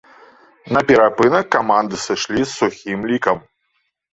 На перапынак каманды сышлі з сухім лікам.